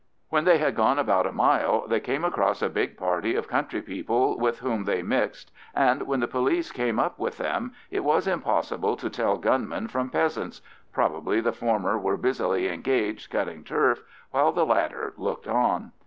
When they had gone about a mile, they came across a big party of country people with whom they mixed, and when the police came up with them it was impossible to tell gunmen from peasants—probably the former were busily engaged cutting turf while the latter looked on.